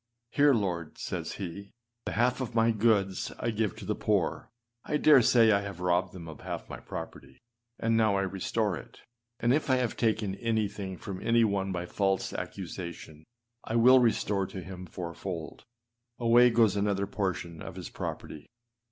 âHere, Lord,â says he, âthe half of my goods I give to the poor; I dare say I have robbed them of half my property â and now I restore it.â âAnd if I have taken anything from any one by false accusation, I will restore it to him fourfold.â â away goes another portion of his property.